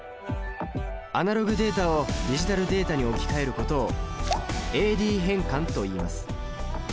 アナログデータをディジタルデータに置き換えることをＡ／Ｄ変換といいます。